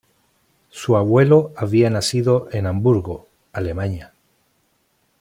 Su abuelo había nacido en Hamburgo, Alemania.